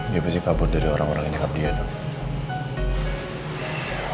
dia pasti kabur dari orang orang yang dekat dia dong